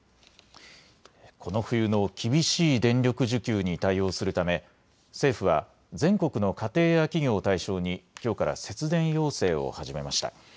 この冬の厳しい電力需給に対応するため政府は全国の家庭や企業を対象にきょうから節電要請を始めました。